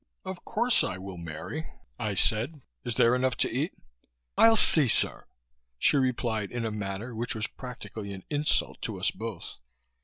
"Of course I will, Mary," I said. "Is there enough to eat?" "I'll see, sir," she replied in a manner which was practically an insult to us both.